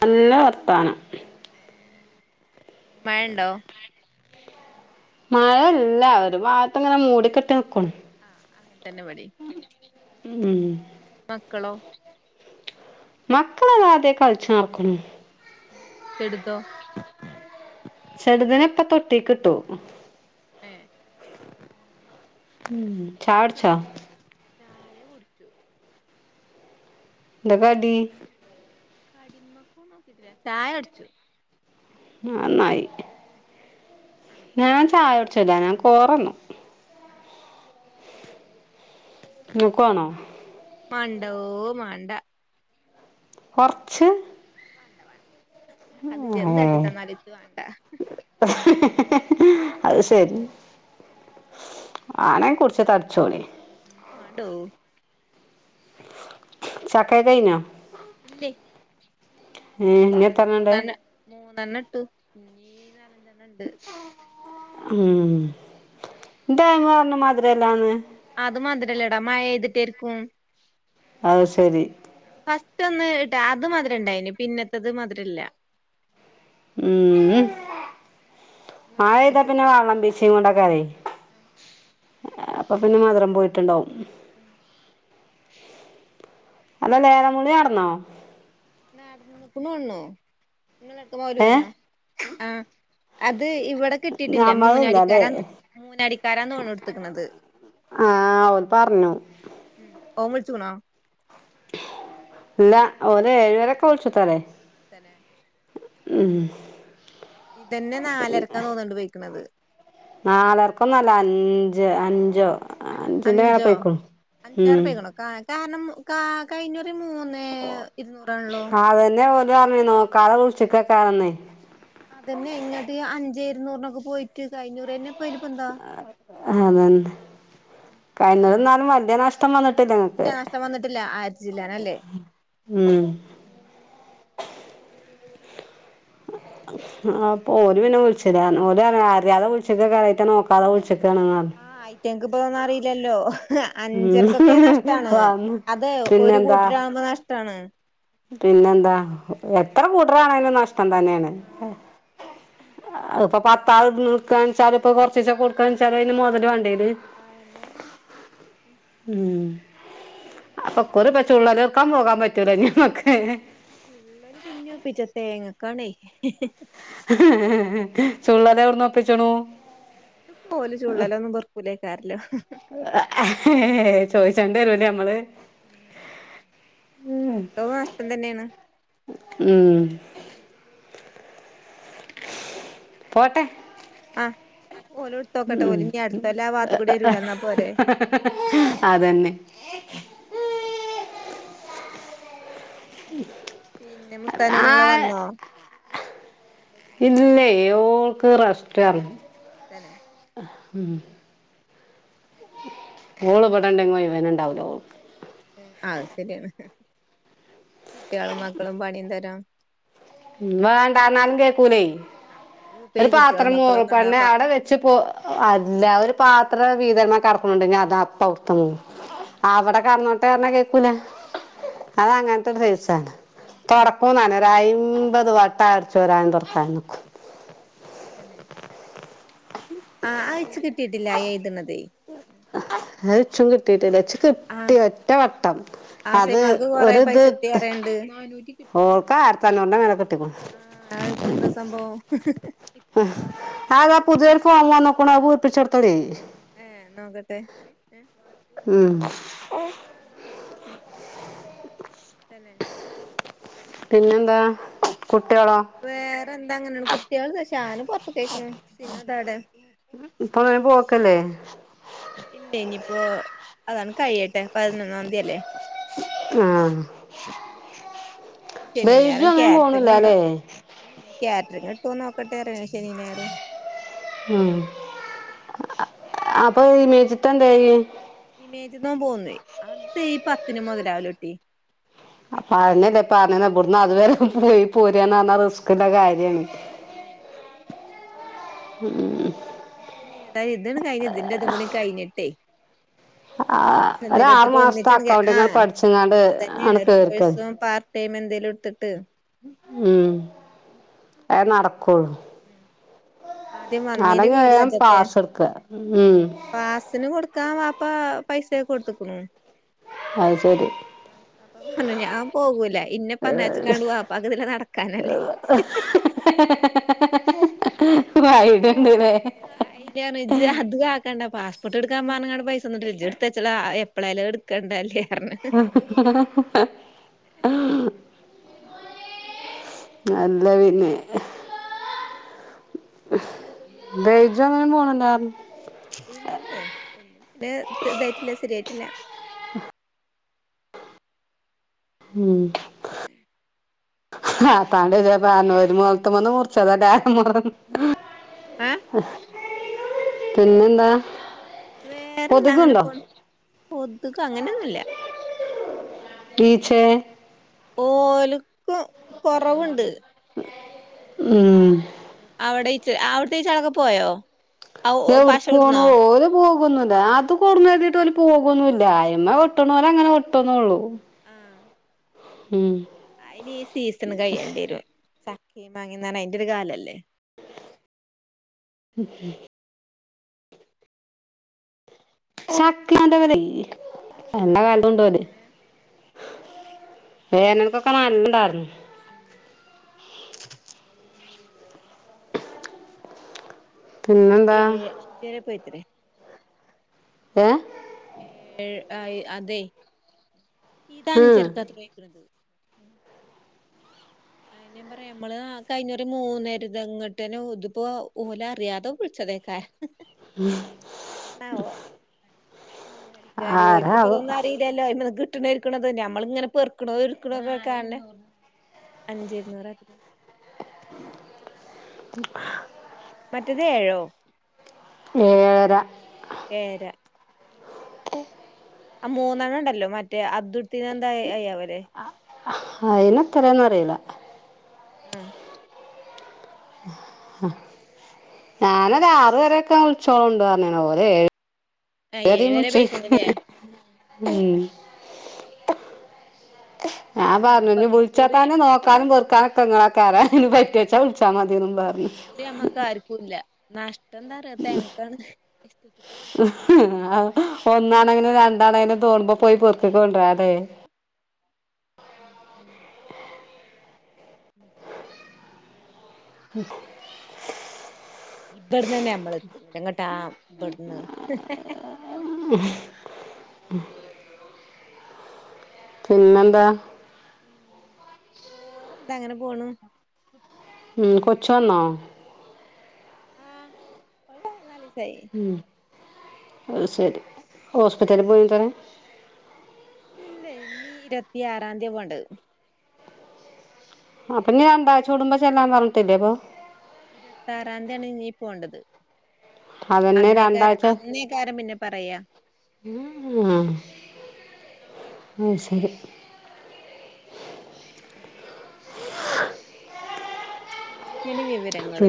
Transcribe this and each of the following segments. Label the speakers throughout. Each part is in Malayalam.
Speaker 1: നല്ല വർത്താനം
Speaker 2: മയണ്ടോ
Speaker 1: മഴല്ല ഒരു ഭാഗത്ത് ഇങ്ങനെ മൂടി കെട്ടി നിക്കണു
Speaker 2: ആ അങ്ങനെ തന്നെ വടീം
Speaker 1: ഉം
Speaker 2: മക്കളോ
Speaker 1: മക്കളതാ അതേ കഴിച്ച് നടക്കണു
Speaker 2: എടുതോ
Speaker 1: ചെടുതിന് ഇപ്പ തൊട്ടിക്ക്ട്ടു
Speaker 2: ഏ
Speaker 1: ഉം
Speaker 2: ഉം
Speaker 1: ചായുടിച്ചോ
Speaker 2: ചായ കുടിച്ചു
Speaker 1: ന്ത കടി
Speaker 2: കടിമക്കന്നും നോക്കിട്ടില്ല ചായ കടിച്ചു
Speaker 1: നന്നായി
Speaker 2: അണക്കല്ലേ
Speaker 1: ഞാൻ
Speaker 2: കടി
Speaker 1: ചായുടിച്ചില്ല ഞാൻ കോറന്നു
Speaker 2: ആഹ്
Speaker 1: നിങ്ങക്ക്ണോ
Speaker 2: മാണ്ടോ മാണ്ട
Speaker 1: കൊറച്ച്
Speaker 2: വാണ്ട വാണ്ട അത് ജ് എന്താട്ടി തന്നാലും ഇച്ച് വാണ്ട
Speaker 1: അത് ശരി ആണെ കുടിച്ച് തടിച്ചോളിം
Speaker 2: ഉംഉം മാണ്ടോ
Speaker 1: ചക്കേക്കയ്ഞ്ഞൊ
Speaker 2: ഇല്ലെ
Speaker 1: ഏ ഇഞ്ഞെത്രണ്ണ ണ്ട്
Speaker 2: ത്രണ്ണട്ടു ഇന്നീ നാലഞ്ചണ്ണം
Speaker 1: ഊം പറഞ്ഞ് മധിരല്ലാന്ന്
Speaker 2: അത് മധ്‌രല്ലടാ മഴെയ്തിട്ടേര്ക്കും
Speaker 1: അത് ശരി
Speaker 2: ഫസ്റ്റ് ഒന്ന് ഇട്ടാ അത് മധിരണ്ടായിനി പിന്നത്തത് മധ് രല്ല
Speaker 1: ഉം ഉം മഴയ്താ
Speaker 2: മഴെയ്തിട്ട്
Speaker 1: പിന്നെ വള്ളം പീച്ചിം കൊണ്ട ക്കാരെ
Speaker 2: ആഹ് ആഹ്
Speaker 1: അപ്പൊ പിന്നെ മധുരം പോയിട്ടുണ്ടാവും
Speaker 2: ഉം
Speaker 1: അല്ല ലേലം ബുളി നടന്നോ
Speaker 2: നടന്ന്കുണു തോന്നുണു ഇങ്ങളെടത്ത്
Speaker 1: ഏ
Speaker 2: മൗലൂദ് നോ ആഹ് അത് ഇവ ടെ കിട്ടിട്ടില്ല
Speaker 1: ഞമ്മളില്ലല്ലേ
Speaker 2: മൂന്നടിക്കാരാ മൂന്നാടിക്കാരാ തോന്ന്ണു ഇട്ത്ത്ക്ണത്
Speaker 1: ആഹ് അവൻ പറഞ്ഞു
Speaker 2: ഉം ഓൻ വിൾച്ക്ണോ
Speaker 1: ഇല്ല ഓന് ഏഴുപേരൊക്കെ വിളിച്ചുത്താലേ
Speaker 2: തന്നെ
Speaker 1: ഉഹ്
Speaker 2: ഇതന്നെ നാലരക്കാ തോന്ന്ണ്ട് പോയിക്കണത്
Speaker 1: നാലരക്കൊന്നല്ല അഞ്ച് അഞ്ചോ അഞ്ചിൻ്റെ
Speaker 2: അഞ്ചോ
Speaker 1: മേപ്പട്ടയിക്കുണു
Speaker 2: അഞ്ചിലേറെ
Speaker 1: ഉം
Speaker 2: പോയിക്ക്ണു കാ കാരണം കാ കഴിഞ്ഞൊറി
Speaker 1: ഓ അതന്നെ ഓല് പറഞ്ഞ നോക്കാതെ വിളിച്ചക്കക്കാരന്ന്
Speaker 2: അതന്നെ ഇങ്ങട്ട് അഞ്ചെ ഇരുന്നൂറിനൊക്കെ പോയിട്ട് കഴിഞ്ഞുറ്യന്നെ
Speaker 1: അതന്നെ കഴിഞ്ഞതിന്നാലും വല്യ നഷ്ടം വന്നിട്ടില്ല
Speaker 2: ഇല്ല
Speaker 1: ഇങ്ങക്ക്
Speaker 2: നഷ്ടം വന്നിട്ടില്ല ആയിരത്തിച്ചില്ലാനല്ലേ
Speaker 1: ഉം ആ അപ്പൊ ഓരുപിനെ വിളിച്ചിലാ ഓലാ ണെ അറ്യാതെ വിളിച്ചക്കെക്കാരം അയ്റ്റ നോക്കാതെ വിളിച്ച പർഞ്ഞ്
Speaker 2: ആയിറ്റങ്ങക്ക് ഇപ്പതൊന്നും അറില്ലല്ലോ
Speaker 1: ഉം
Speaker 2: അഞ്ചരക്കൊക്കെ നഷ്ടാണ്
Speaker 1: വന്ന്
Speaker 2: അതെ ഒരു
Speaker 1: പിന്നെന്താ
Speaker 2: കൂട്ടരാകുമ്പോ നഷ് ട്ടാണ്
Speaker 1: പിന്നെന്താ എത്ര കൂട്ട്രരാണെലും നഷ് ട്ടം തന്നെണ്
Speaker 2: ആഹ്
Speaker 1: അ ഇപ്പം പത്താൾ ഇട്ക്കാണെച്ചാ അതിപ്പോ കൊർച്ചീച്ച കൊടുക്കാന്ന് വച്ചാലും അയ്ന് മൊതല് വേണ്ടേ
Speaker 2: അതെന്നെ
Speaker 1: ഉം അപ്പം ഇക്കുറി ഇപ്പം ചുള്ളല് പൊർക്കാൻ പോകാൻ പറ്റൂല ഇഞമ്മക്ക്
Speaker 2: ചുള്ളല് പിന്നിയൊപ്പിച്ച തേങ്ങക്കാണേ
Speaker 1: പിച്ചണൊ
Speaker 2: അത് ഇപോല് ചുള്ളലൊന്നും പെർക്കൂലേക്കാരം
Speaker 1: ചോയിച്ചണ്ടി വരുലേ നമ്മള്
Speaker 2: ഉം അ
Speaker 1: ഉം പോട്ടെ
Speaker 2: ഓലും ഇടുത്തോക്കട്ടെ ഓലും ഇഞ്ഞ് അടുത്തൊല്ലം ആ വാത്ത് കൂടി വരൂലന്നാ പോരെ
Speaker 1: അതന്നെ
Speaker 2: [inaudible] പിന്നെ
Speaker 1: ആ ഇല്ലെ. ഓൾക്ക് റസ്റ്ററഞ്ഞ്
Speaker 2: തന്നെ
Speaker 1: ഉം ഓള് പെടെണ്ട് [unintelligible]
Speaker 2: അയ് ശരി ആണ് ഹ്
Speaker 1: വേണ്ടാന്നാലും കേക്കൂലെ
Speaker 2: ആഹ് ഇപ്പ
Speaker 1: ഒരു
Speaker 2: ഈ കുട്ടികളും
Speaker 1: പാത്രം മോ
Speaker 2: മക്കളൊക്കെ ഉണ്ടാവുമ്പോ
Speaker 1: വീതൻമകടക്കുണുണ്ട് ഇഞ്ഞ് അതാ പ
Speaker 2: ഉം ഉം
Speaker 1: [unintelligible] അവിടെ കെടന്നോട്ടർഞ്ഞാ കേക്കൂല
Speaker 2: ആഹ്
Speaker 1: അത് അങ്ങൻതൊരു
Speaker 2: ഉം
Speaker 1: മ്പത് വട്ട അടച്ചോരാനും തൊടക്കാനും നിക്കും
Speaker 2: തന്നെ
Speaker 1: ച്ചുങ്കിട്ടിട്ടില്ല കിട്ടി
Speaker 2: ആഹ്
Speaker 1: ഒറ്റ വട്ടം അത്
Speaker 2: ആസിമാൾക്ക് കൊറെ പൈസ കിട്ടി പറയണ്ട്
Speaker 1: ഓൾക്ക് ആയിരത്തഞ്ഞൂറിൻ്റ മേലെ കിട്ടിക്ക്ണു
Speaker 2: ആഹ് അതിപ്പോ എന്താ സംഭവം
Speaker 1: ആ താ പുതിയൊരു ഫോം വന്ന്ക്കുണു അയ് പൂര്പ്പിച്ചൊട്ത്തോളീ
Speaker 2: ഏഹ് നോക്കട്ടെ [inaudible] [inaudible]
Speaker 1: ഉം
Speaker 2: തന്നെ
Speaker 1: പിന്നെന്താ കുട്ടി
Speaker 2: വേറെ എന്താ അങ്ങനെണ്
Speaker 1: ഇപ്പവന് പോക്കില്ലേ
Speaker 2: ഇല്ല ഇഞ്ഞിപ്പോ അതാണ് ഇപ്പഅയിന് പതിനൊന്നാന്തില്ലേ
Speaker 1: ബേജു ഒന്നിനും പോണില്ലാല്ലേ
Speaker 2: വര്ട്ടൊ നോക്കട്ടെറിയാ ശനീം ഞായറും
Speaker 1: ഉം
Speaker 2: മേജ്ന്ന് ഓൻ പോന്ന് അത് ഈ പ
Speaker 1: [unintelligible]
Speaker 2: ഇഞ്ഞ് ഇപ്പോ ഇഞ്ഞ് ഏതാ ഇത്ണ് കഴി
Speaker 1: ആ ഒര് ആറ് മാസത്തെ
Speaker 2: ഒന്നിച്ചെടുക്ക
Speaker 1: അക്കൗണ്ടിംഗ് ആണ്
Speaker 2: ആഹ്
Speaker 1: പഠിച്ച്ങ്ങാണ്ട് ആണ് കേറിക്ക്
Speaker 2: ടേം എന്തേലും എട്ത്തിട്ട്
Speaker 1: ഉം
Speaker 2: ഉം ആദ്യം വന്നീന്റെ
Speaker 1: അല്ലെങ്കി വേഗം പാസ്
Speaker 2: കേട്
Speaker 1: എടുക്ക ഉം
Speaker 2: പ്പാ പൈസയൊക്കെ കൊടുത്ത്ക്ക്ണു
Speaker 1: അത് ശരി
Speaker 2: അ അപ്പ പറഞ്ഞ
Speaker 1: വാ
Speaker 2: ആ ഐഡിയാണ് ഇജ് അത് കാക്ക ത്തച്ചളാ എപ്പളായാല് അയ് എടുക്കണ്ടെല്ലേ
Speaker 1: അല്ല പിന്നെ ബേജൊന്നിനും പോണ് ണ്ട
Speaker 2: ഇല്ലെ പിന്നെ ഇതായിട്ടില്ല ശരിയായി ഇല്ല
Speaker 1: ഉം ആപ്പാണ്ട് പാനൂര് മൂത്ത്മ്മ വന്ന് മുറിച്ചതല്ല മുറ
Speaker 2: ആ
Speaker 1: പിന്നെന്താ
Speaker 2: വേറെന്താ അങ്ങനെ
Speaker 1: കൊതുകുണ്ടോ
Speaker 2: പോണ് കൊതുക് അങ്ങനെയൊന്നുല്ല
Speaker 1: ടീച്ചേ
Speaker 2: ഓല്ക്ക് കൊറവുണ്ട്
Speaker 1: മ്
Speaker 2: അവിടെ അവുടുത്തെചാകളൊക്കെ പോയോ ഔ പശ
Speaker 1: എവിടേക്ക് പോകാൻ
Speaker 2: വിടുന്നോ
Speaker 1: ഓൾ പോകുവെന്നുവില്ല അത് [unintelligible] പോകുവോന്നുവില്ല അയിമ്മൽ ഒട്ടുന്നോൽ അങ്ങനെ ഒട്ടു ന്നേ ഉള്ളു
Speaker 2: ആ
Speaker 1: മ്
Speaker 2: അയിനി ഈ സീസൺ കഴിയേണ്ടി വരും ചക്കേം മങ്ങേമ്ന്ന് പറഞ്ഞ അയിന്റെ ഒരു കാലമല്ലേ
Speaker 1: ഉമ് ചക്കന്റെ വിലയെ നല്ല [unintelligible] ഓല്
Speaker 2: ഏ
Speaker 1: വേനൽക്കൊക്കെ നല്ലുണ്ടാർന്നു
Speaker 2: ഉം ഓനെ
Speaker 1: പിന്നെന്താ
Speaker 2: ഏ അഞ്ചേരെ പോയി ത്രെ
Speaker 1: ഏ
Speaker 2: ഏഴ് അതെ ഇത്
Speaker 1: ഉം
Speaker 2: അഞ്ചരക്കാത്രെ പോയേക്കണത് അയിനെ പറയുമ്പള് നമ്മള് കഴിഞ്ഞ ഒരു [unintelligible] ഇതിപ്പോ ഓലറിയാതെ വിളിച്ച ടദേകരം
Speaker 1: മ്
Speaker 2: [unintelligible] ഓല്ക് ഇപ്പതൊന്നും അറിയില്ലല്ലോ അഴിമന്ന് കി [unintelligible] ഞമ്മള് ഇങ്ങനെ പെറുക്കണതും എടുക്കണത്തും ഒക്കെ ആളിനെ അഞ്ചിരുന്നൂർ മറ്റേതേഴോ
Speaker 1: ഏഴര
Speaker 2: ഏഴര ആ മൂന്നാണ്ടല്ലോ മറ്റേ അതുട്‌തീന [unintelligible]
Speaker 1: ആയിനെത്രാന്ന് അറിയില്ല
Speaker 2: മ്
Speaker 1: ഞാനൊരു ആറു വരൊക്കെ [unintelligible] ഓരോ ഏഴ
Speaker 2: ആഹ് ഏഴ് വരെ പെയ്ക്കുണുല്ലേ
Speaker 1: [unintelligible] ഞാനു
Speaker 2: ആഹ്
Speaker 1: പറഞ്ഞു
Speaker 2: അപ്പൊ
Speaker 1: ഇനി വിളിച്ചാ
Speaker 2: ഇക്കുറി
Speaker 1: തന്നെ നോക്കാനും പെറുക്കാനൊക്കെ നിങ്ങളൊക്കെ ആരാ ഇനി പറ്റുവെച്ചാ
Speaker 2: ആഹ്
Speaker 1: വിളിച്ചാ മതിയെന്നും പറഞ്ഞു
Speaker 2: നഷ് പോയോക്ക് പോയോക്കാ
Speaker 1: ഒന്നാണേങ്കിലും രണ്ടാണേലും പോകുമ്പോ പോയി പൊറതെക്ക്കൊണ്ട്വരതെ
Speaker 2: മ് മ് മ്
Speaker 1: മ്
Speaker 2: ഇബടന്ന് തന്നെ നമ്മൾ എത്തുന്നെങ്ങോട്ടാ ഇബടുന്ന്
Speaker 1: പിന്നെന്താ
Speaker 2: വേറെന്താ അങ്ങനെ പോണു
Speaker 1: മ് കൊചോന്നോ
Speaker 2: ആഹ് ഓൾ നാ [inaudible] നാലുവയസ്സ്
Speaker 1: ഉമ് അതു ശരി ഹോസ് പിറ്റലിൽ പോകൂല
Speaker 2: ഇല്ല ഇനി ഇരുപത്തിയാറാംതിയാണ് പോകണ്ടത്
Speaker 1: അപ്പൊ നീ രണ്ടാഴ്ച കൂടുബോ ചെല്ലാ പറഞ്ഞിട്ടില്ലേ അപ്പൊ
Speaker 2: ഇരുപത്തിയാറതിയാണ് ഇനി പോകേണ്ടത്
Speaker 1: അതന്നെ
Speaker 2: അന്നേക്കാര് അന്നേക്കാരം പിന്നെ പറയാ
Speaker 1: ഉം ആ വ ശരി
Speaker 2: അങ്ങനെക്ക വ
Speaker 1: അെ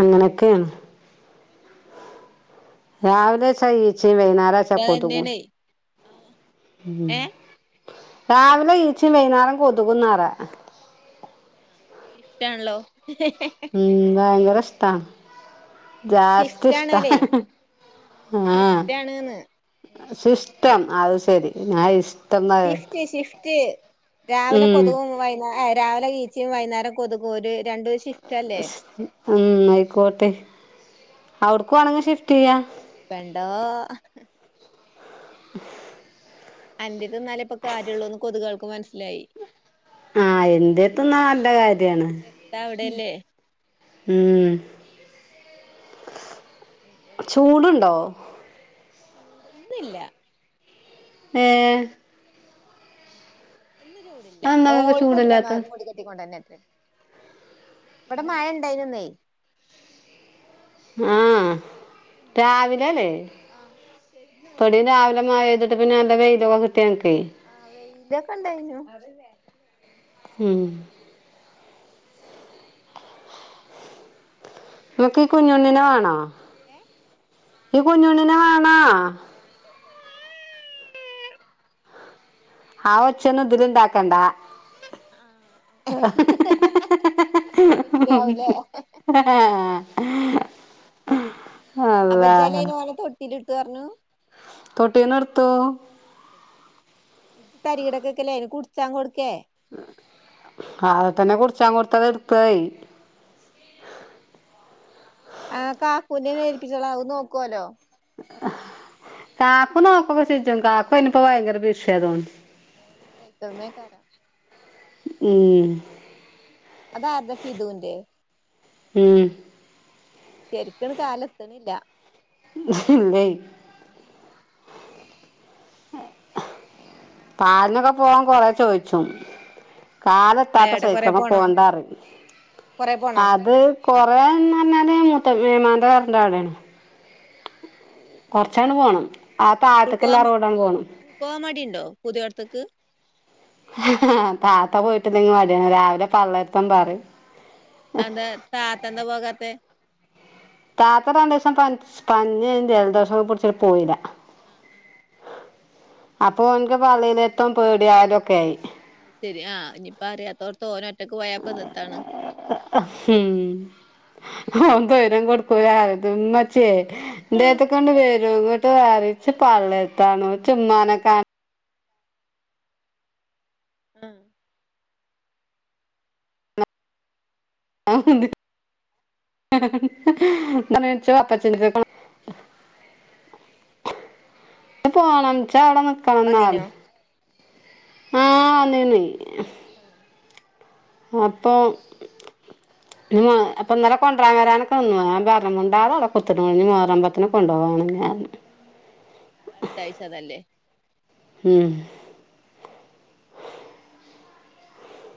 Speaker 1: അങ്ങനെയൊക്കെയാണ്
Speaker 2: കാര്യായിട്ട്
Speaker 1: രാവിലെച്ച
Speaker 2: പറഞ്ഞാ
Speaker 1: ഈച്ചി വൈനറച്ചാ കൊതുപ
Speaker 2: ഓ
Speaker 1: ഉം രാവിലെ ഈച്ച വൈകുന്നേരം കൊതുകുന്നാറാ
Speaker 2: സിറ്റ് ആണല്ലോ
Speaker 1: ഉ വാങ്ക രസ്ഥസ്ഥാണ് ജാസ്
Speaker 2: ഷിഫ്റ്റ്
Speaker 1: ഇഷ്ട
Speaker 2: ആണ് ഓലെ
Speaker 1: ആഹ
Speaker 2: ഷിഫ്റ്റ് ആണ്ന്ന്
Speaker 1: ശിസ് ഇത്തം അത് ശരി ഞാൻ ഇഷ്ടംന്നാ
Speaker 2: ിഫ്റ്റ് ഷിഫ്റ്റ് രാവിലെ
Speaker 1: ഉം
Speaker 2: കൊതുുകുമ്പ വൈുന്നാ രാവിലെ ചഈച്ചിയും വൈകേരം കൊതുക്കും ഒരു രണ്ട് ഷിഫ്ി
Speaker 1: ഉം ആയിക്കോട്ടെ അവിടക്കുംവാേണെങ്കും ഷിഫ്റ്റ് ചെയ്യാ
Speaker 2: പെണ്ടോ
Speaker 1: [unintelligible]
Speaker 2: അയത് എന്നാല ഇപ്പൊ കാര്യമുള്ളൂന്ന് കൊതുകൾക്ക് മനസ്സിലായി
Speaker 1: ആഹ എന്ന്ത്യത്തന്നാല്ല കാര്യാണ്
Speaker 2: രക്ത അവിടെയല്ലേ
Speaker 1: ഉം
Speaker 2: ഉ വിച്ചെണ്ണട
Speaker 1: ചൂടുണ്ടോ
Speaker 2: ചൂടു ന്നില്ല
Speaker 1: ആഏ
Speaker 2: എ
Speaker 1: അതെന്താ
Speaker 2: ചൂടഓ
Speaker 1: ഇങ്ങക്ക് ചൂടില്ലാത്തെ
Speaker 2: മൂട കെട്ടൊണ്ട തന്നെ ഇവിടെ മഴ ഉണ്ടായിന്നന്ന
Speaker 1: ആഹ രാവിലെല്ലേ
Speaker 2: ആഹ്
Speaker 1: പൊടിയ രാവിലെ മഴഴ്തിട്ട് പിന്നെ നല്ല വെയിലൊക്കെ കി
Speaker 2: ആഹ വെതൊക്കെ ഇണ്ടായിനു
Speaker 1: ഹം നമക്ക് ഈ കുഞ്ഞുണ്ണിനെ വേണോ
Speaker 2: ഏഹ്
Speaker 1: ഈ കുഞ്ഞുണ്ണിനെ വേണോ ആച്ചന്നും ഇതിലിണ്ടാക്കണ്ടാ
Speaker 2: ആഹ് മിമിക്രി ആവൂലേ
Speaker 1: ആഹ
Speaker 2: അബജാല അന് പോലെ തൊട്ടിൽ ഇട്ടു പറഞ്ഞു
Speaker 1: തോട്ടേനർത്ത
Speaker 2: ഇത് തരി കിടക്കൊക്കെല്ലേ ഇ കുടിച്ചാ കൊടുക്കേ
Speaker 1: അത് തന്നെ കുടിച്ചാൻ കൊടുത്തത എടുത്തായി [unintelligible]
Speaker 2: ആഹ കാക്കൂനെ മേരിപ്പിച്ചോളാവ നോക്കുവല്ലോ
Speaker 1: കാക്കുന്നോക്കക്ക ചിച്ച കാക്കന പോ എങ്കര ബിസ്യാനെ
Speaker 2: ഏ സൈക്കളമേക്കരാ
Speaker 1: ഉം
Speaker 2: അതാർടെ ഫിദൂന്റെ
Speaker 1: ഉം
Speaker 2: ശരിക്കിട് കാലെത്തണില്ല
Speaker 1: ഇതില്ലേ പാലിനൊക്കെ പോവാൻ കൊറേ ചോയിച്ചു കാലെത്താത്ത
Speaker 2: അയാടെ കൊറെ
Speaker 1: സഹക്കണ്ട
Speaker 2: പോണോ
Speaker 1: പോണ്ടാറ്
Speaker 2: കൊറെ പോണോ
Speaker 1: അത് കൊറേന്ന് പറഞ്ഞാല് കബീർ മാമന്റെ ഏട്ടന്റെ കടയാണ് കുറച്ചങ്ങിട് പോണം ആ താഴത്ത്ക്ക്ള്ള
Speaker 2: ഫിദ പോകാൻ മടി ഉണ്ടോ പു [unintelligible]
Speaker 1: [inaudible] പ്പൊ പോയിട്ടില്ലെങ്കി മടിയാണ് രാവിലെ പള്ളേടുതും പറേം
Speaker 2: അതാ താത്ത എന്ത പോകാത്തെ
Speaker 1: താത്ത രണ്ടു ദിവസം പനി പനീം ജലദോഷോം പിടിച്ചിട്ട് പോയില്ല അപ്പൊ എനിക്ക് പള്ളിയിലെത്തും പേടിയാഇതൊക്കെ
Speaker 2: ശരിയാ ഇനിയിപ്പ അത്തോടതോനെ
Speaker 1: [unintelligible] ഉം ഓൻ സ്വയിര്യം കൊടുക്കൂലാന്ന് പറഞ്ഞി ഉ മ്മച്ചിയെ
Speaker 2: ആ
Speaker 1: ഇന്റെടുത്തേക് കൊണ്ട് വരു നെറച്ചപള്ളേത്താണു ചുമ്മാനൊക്കെ
Speaker 2: ആ
Speaker 1: ആ ന്ത്‌ [unintelligible] നിച്ചോ അപ്പോ ചി [unintelligible] [unintelligible]
Speaker 2: ആ
Speaker 1: പോണം ച്ചാ അവിടെ നിക്കണംന്നാ
Speaker 2: വന്നീനോ
Speaker 1: ആന്ന്ന്നെ
Speaker 2: ആ
Speaker 1: ആപ്പോ
Speaker 2: അത് ശരി
Speaker 1: അപ്പ ഇന്നലെ കൊണ്ടുപോവ്വാനൊക്കെ വന്നു [unintelligible] ഞാൻ പറഞ് [unintelligible] ഉച്ചക്കെണം വരാൻ പറ്റുങ്കി കൊണ്ടോവാൻ [unintelligible]
Speaker 2: അത്താഴ്ചതല്ലേ
Speaker 1: ഹം